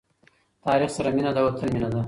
تاریخ سره مینه د وطن مینه ده.